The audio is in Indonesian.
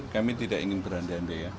kami tidak ingin berhandi handi ya